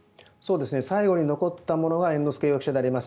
最後に残った者が猿之助容疑者であります